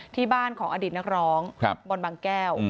ที่บ้านของอดีตนักร้องบอลบางแก้ว